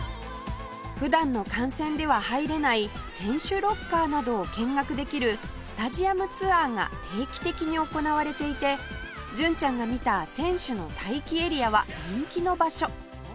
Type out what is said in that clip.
普段の観戦では入れない選手ロッカーなどを見学できるスタジアムツアーが定期的に行われていて純ちゃんが見た選手の待機エリアは人気の場所